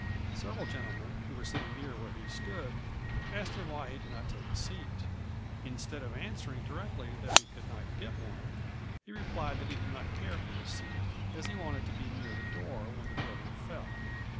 Several gentlemen who were sitting near where he stood asked him why he did not take a seat. Instead of answering directly that he could not get one he replied that he did not care for a seat, as he wanted to be near the door when the building fell.